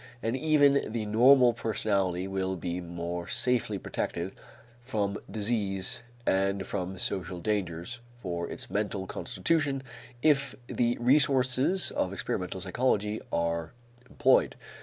And even the normal personality will be more safely protected from disease and from social dangers for its mental constitution if the resources of experimental psychology are employed.